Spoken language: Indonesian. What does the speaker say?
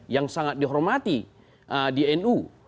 yang sangat dihormati di nu